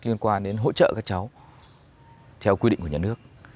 liên quan đến hỗ trợ các cháu theo quy định của nhà nước